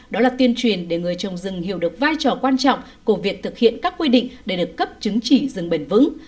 đó là tuyên truyền để người trồng rừng hiểu được vai trò quan trọng của việc thực hiện các quy định để được cấp chứng chỉ rừng bền vững